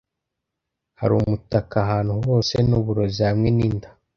hari umutaka ahantu hose nuburozi hamwe ninda